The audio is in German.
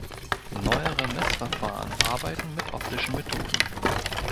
Neuere Messverfahren arbeiten mit optischen Methoden.